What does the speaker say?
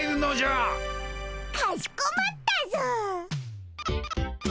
かしこまったぞ！